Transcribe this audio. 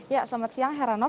ya selamat siang heranok